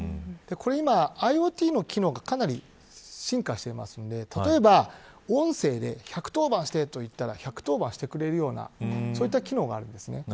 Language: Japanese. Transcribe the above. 今、ＩｏＴの機能がかなり進化しているので例えば音声で１１０番してと言ったら１１０番してくれるようなそういった機能があるんです。